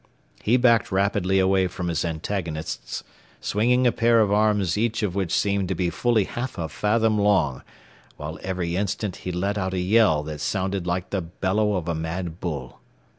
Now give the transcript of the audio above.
He backed rapidly away from his antagonists, swinging a pair of arms each of which seemed to be fully half a fathom long while every instant he let out a yell that sounded like the bellow of a mad bull.